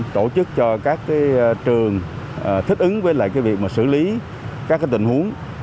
tổ chức cho các trường thích ứng với việc xử lý các tình huống